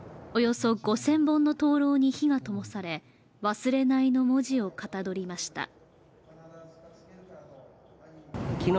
およそ５０００本の灯籠に火がともされ「忘れない」の文字をかたどりました。